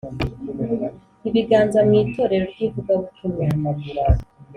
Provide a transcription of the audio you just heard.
Ibiganza mu itorero ry ivugabutumwa